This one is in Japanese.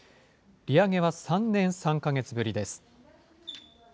利上げは３年３か月ぶりです。